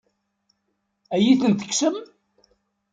Ad iyi-ten-tekksem?